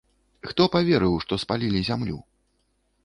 Хто паверыў, што спалілі зямлю?